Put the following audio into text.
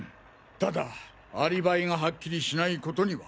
ただアリバイがはっきりしない事には。